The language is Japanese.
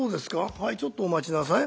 はいちょっとお待ちなさい。